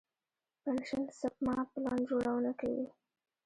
پنشن سپما پلان جوړونه کوي.